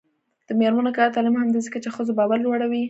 د میرمنو کار او تعلیم مهم دی ځکه چې ښځو باور لوړوي.